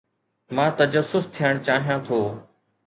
مان تجسس ٿيڻ چاهيان ٿو.